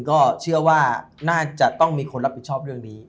ก็เชื่อว่าน่าจะต้องมีคนรับผิดชอบเรื่องนี้